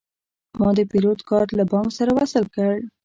ما د پیرود کارت له بانک سره وصل کړ.